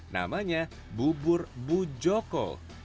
namanya bubur bujoko